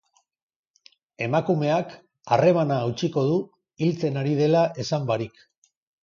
Emakumeak harremana hautsiko du hiltzen ari dela esan barik.